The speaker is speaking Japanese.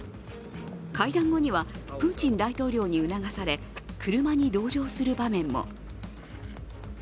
会談後にはプーチン大統領に促され車に同乗する場面も。